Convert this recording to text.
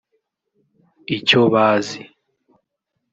icyo bazi